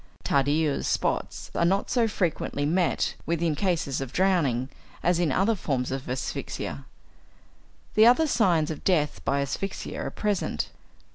Tardieu's spots are not so frequently met with in cases of drowning as in other forms of asphyxia. The other signs of death by asphyxia are present.